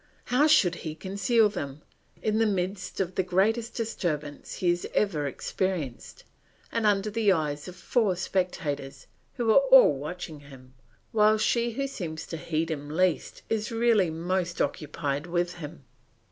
How should he conceal them, in the midst of the greatest disturbance he has ever experienced, and under the eyes of four spectators who are all watching him, while she who seems to heed him least is really most occupied with him.